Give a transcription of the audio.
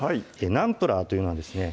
ナンプラーというのはですね